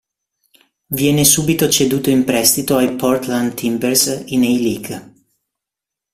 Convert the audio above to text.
Viene subito ceduto in prestito ai Portland Timbers in A-League.